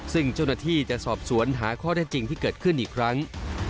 ซึ่งเจ้าหน้าที่จะสอบสวนหาข้อได้จริงที่เกิดขึ้นอีกครั้ง